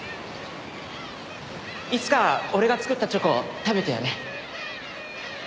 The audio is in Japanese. いつか俺が作ったチョコ食べてよね。